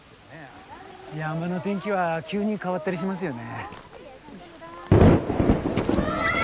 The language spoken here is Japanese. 山の天気は急に変わったりしますよね。